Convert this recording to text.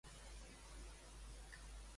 Quins rius arriben al llac Boebeis Lacus?